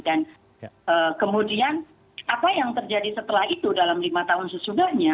dan kemudian apa yang terjadi setelah itu dalam lima tahun sesudahnya